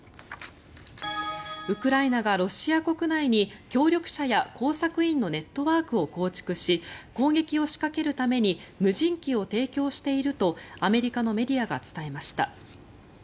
ウクライナがロシア国内に協力者や工作員のネットワークを構築し攻撃を仕掛けるために無人機を提供しているとアメリカのメディアが伝えました。